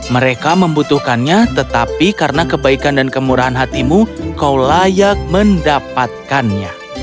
mereka membutuhkannya tetapi karena kebaikan dan kemurahan hatimu kau layak mendapatkannya